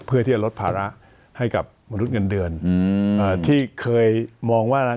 เพื่อที่จะลดภาระให้กับมนุษย์เงินเดือนที่เคยมองว่านั้น